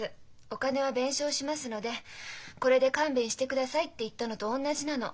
お金は弁償しますのでこれで勘弁してください」って言ったのとおんなじなの。